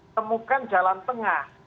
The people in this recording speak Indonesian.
temukan jalan tengah